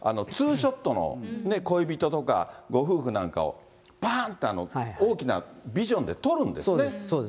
ショットの恋人とかご夫婦なんかをぱーんって大きなビジョンでそうです。